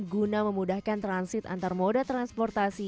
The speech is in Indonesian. guna memudahkan transit antar moda transportasi